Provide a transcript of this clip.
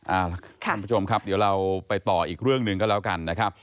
เอาล่ะท่านผู้ชมครับเดี๋ยวเราไปต่ออีกเรื่องหนึ่งก็แล้วกันนะครับ